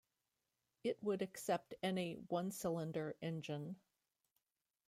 It would accept any one-cylinder engine.